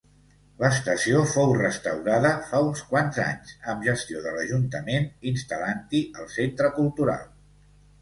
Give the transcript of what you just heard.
L'estació fou restaurada fa uns quants anys, amb gestió de l'Ajuntament, instal·lant-hi el Centre Cultural.